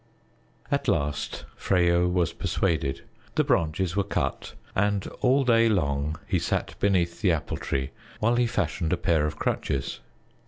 At last Freyo was persuaded. The branches were cut, and all day long he sat beneath the Apple Tree, while he fashioned a pair of crutches.